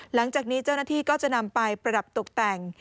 หลังจากนี้เจ้าหน้าที่ก็จะนำไปประดับตกแต่ง